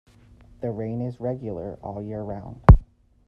The rain is regular all year round.